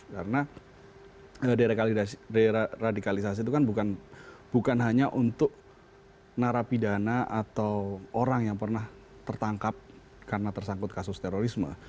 karena deradikalisasi itu kan bukan hanya untuk narapidana atau orang yang pernah tertangkap karena tersangkut kasus terorisme